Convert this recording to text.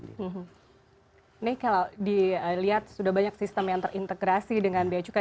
ini kalau dilihat sudah banyak sistem yang terintegrasi dengan biaya cukai